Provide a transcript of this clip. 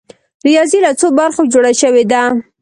ریاضي له څو برخو جوړه شوې ده؟